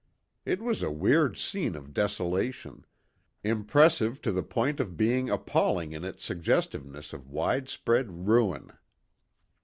It was a weird scene of desolation; impressive to the point of being appalling in its suggestiveness of widespread ruin.